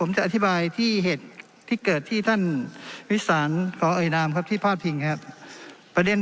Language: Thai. ผมจะอธิบายที่เหตุที่เกิดที่ท่านส์วิสาหรณ์ขอเอ๋นนามที่ภาพิงน์